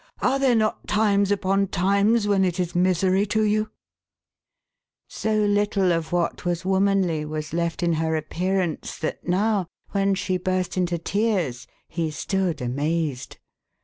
Are there not times upon times when it is misery to you ?" So little of what was womanly was left in her appearance, that now, when she burst into tears, he stood amazed.